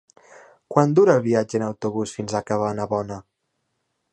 Quant dura el viatge en autobús fins a Cabanabona?